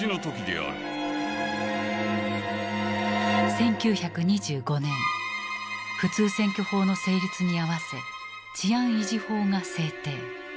１９２５年普通選挙法の成立にあわせ治安維持法が制定。